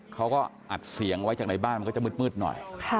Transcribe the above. เขาก็อัดเสียงไว้จากในบ้านมันก็จะมืดหน่อย